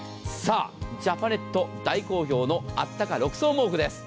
ジャパネット大好評のあったか６層毛布です。